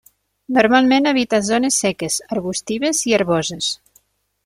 Normalment habita zones seques, arbustives i herboses.